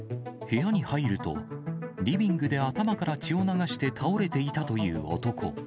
部屋に入ると、リビングで頭から血を流して倒れていたという男。